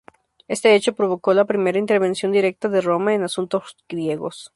Este hecho provocó la primera intervención directa de Roma en asuntos griegos.